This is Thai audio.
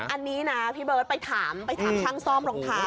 อันนี้นะพี่เบิร์ตไปถามไปถามช่างซ่อมรองเท้า